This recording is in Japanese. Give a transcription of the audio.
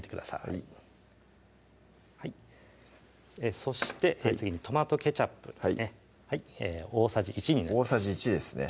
はいそして次にトマトケチャップですね大さじ１になります大さじ１ですね